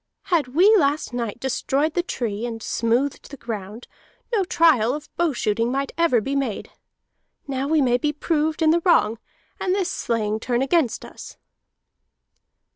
Had we last night destroyed the tree and smoothed the ground, no trial of bow shooting might ever be made. Now we may be proved in the wrong, and this slaying turn against us."